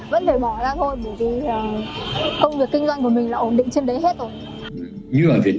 vẫn phải bỏ ra thôi bởi vì công việc kinh doanh của mình là ổn định trên đấy hết rồi